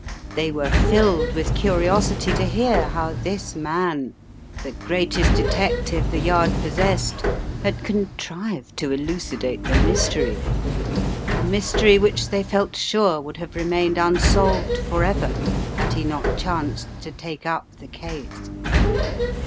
They were filled with curiosity to hear how this man, the great est detective the Yard possessed, had contrived to elucidate the mystery; a mystery which they felt sure would have remained unsolved forever had he not chanced to take up the case.